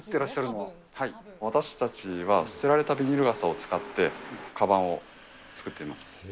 はい、私たちは捨てられたビニール傘を使って、かばんを作っています。